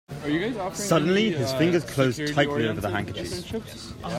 Suddenly his fingers closed tightly over the handkerchief.